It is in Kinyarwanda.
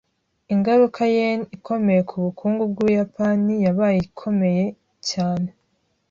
Ingaruka yen ikomeye ku bukungu bwUbuyapani yabaye ikomeye cyane